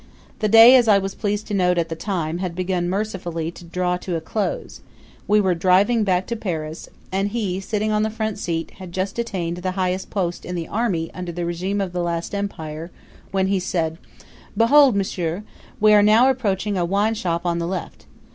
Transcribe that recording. The day, as I was pleased to note at the time, had begun mercifully to draw to a close; we were driving back to Paris, and he, sitting on the front seat, had just attained the highest post in the army under the regime of the last Empire, when he said: "Behold, m'sieur! We are now approaching a wine shop on the left.